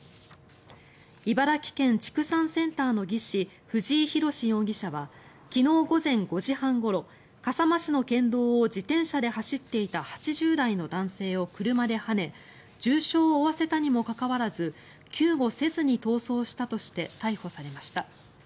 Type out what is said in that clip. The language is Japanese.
茨城県畜産センターの技師藤井浩容疑者は昨日午前５時半ごろ笠間市の県道を自転車で走っていた８０代の男性を車ではね重傷を負わせたにもかかわらず救護せずに逃走したとして逮捕されました。